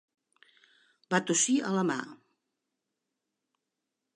Va tossir a la mà.